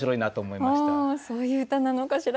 そういう歌なのかしら？